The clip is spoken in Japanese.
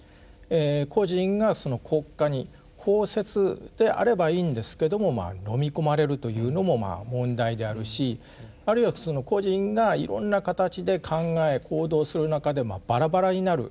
個人が国家に包摂であればいいんですけどものみ込まれるというのも問題であるしあるいはその個人がいろんな形で考え行動する中でバラバラになる。